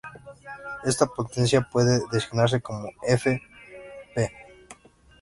Esta potencia puede designarse como "f""P".